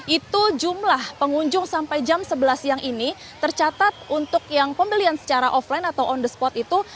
itu jumlah pengunjung sampai jam sebelas siang ini tercatat untuk yang pembelian secara offline atau on the spot itu